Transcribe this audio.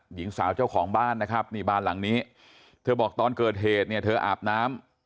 หญิงสาวเจ้าของบ้านนะครับนี่บ้านหลังนี้เธอบอกตอนเกิดเหตุเนี่ยเธออาบน้ำ